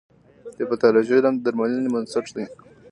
د پیتالوژي علم د درملنې بنسټ دی.